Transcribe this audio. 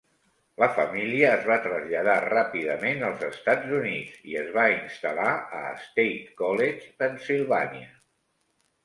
La família es va traslladar ràpidament als Estats Units i es va instal·lar a State College, Pennsilvània.